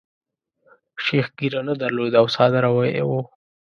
شیخ ږیره نه درلوده او ساده روی وو.